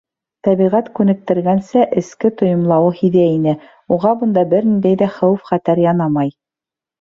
Тәбиғәт күнектергәнсә, эске тойомлауы һиҙә ине: уға бында бер ниндәй ҙә хәүеф-хәтәр янамай.